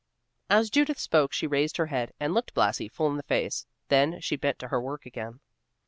As Judith spoke, she raised her head, and looked Blasi full in the face; then she bent to her work again.